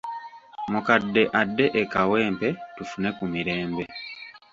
Mukadde adde e Kawempe tufune ku mirembe.